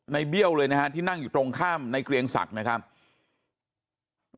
เบี้ยวเลยนะฮะที่นั่งอยู่ตรงข้ามในเกรียงศักดิ์นะครับ